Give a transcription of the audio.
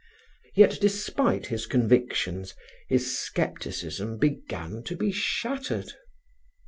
Yet, despite his convictions, his scepticism began to be shattered.